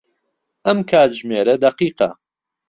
ئەم کاتژمێرە دەقیقە.